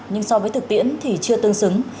nhưng so với thực tiễn thì chưa tương xứng